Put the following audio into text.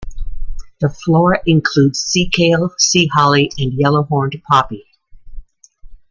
The flora includes seakale, sea holly, and yellow-horned poppy.